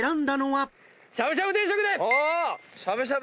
しゃぶしゃぶ定食で！